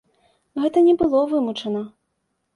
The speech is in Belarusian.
Гэта не было вымучана.